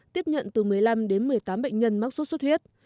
tiếp nhận từ một mươi năm đến một mươi tám bệnh nhân mắc sốt xuất huyết